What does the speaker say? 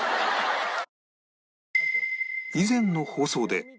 以前の放送で